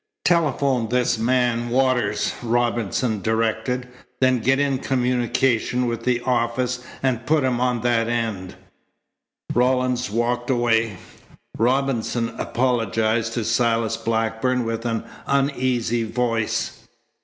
"Telephone this man Waters," Robinson directed. "Then get in communication with the office and put them on that end." Rawlins walked away. Robinson apologized to Silas Blackburn with an uneasy voice.